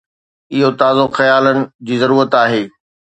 اهو تازو خيالن جي ضرورت آهي.